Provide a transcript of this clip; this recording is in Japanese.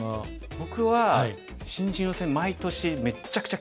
僕は新人王戦毎年めっちゃくちゃ